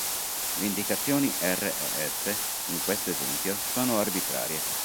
Le indicazioni R e S in questo esempio sono arbitrarie.